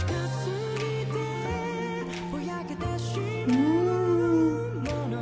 うん！